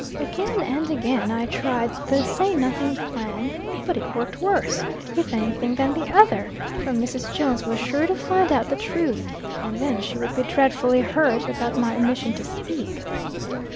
Again and again I tried the say nothing plane; but it worked worse, if any thing, than the other; for Mrs. Jones was sure to find out the truth, and then she would be dreadfully hurt about my omission to speak.